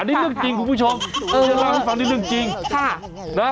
นี่เรื่องจริงคุณผู้ชมเออจะเล่าให้ฟังนี่เรื่องจริงค่ะนะ